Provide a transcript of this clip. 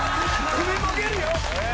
「首もげるよ」